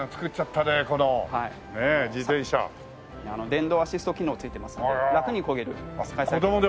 電動アシスト機能が付いてますので楽にこげるスカイサイクル。